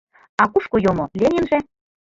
А кушко йомо Ленинже?